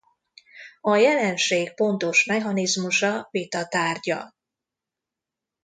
A jelenség pontos mechanizmusa vita tárgya.